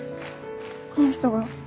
この人が。